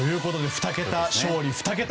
２桁勝利２桁